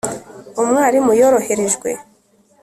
umwarimu yoroherejwe